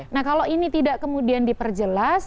nah kalau ini tidak kemudian diperjelas